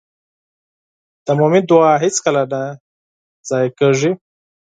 د مؤمن دعا هېڅکله نه ضایع کېږي.